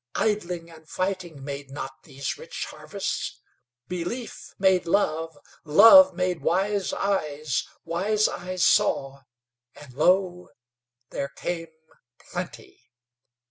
Idling and fighting made not these rich harvests. Belief made love; love made wise eyes; wise eyes saw, and lo! there came plenty.